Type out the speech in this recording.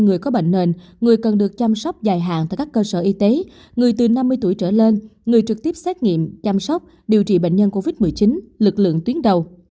người có bệnh nền người cần được chăm sóc dài hạn tại các cơ sở y tế người từ năm mươi tuổi trở lên người trực tiếp xét nghiệm chăm sóc điều trị bệnh nhân covid một mươi chín lực lượng tuyến đầu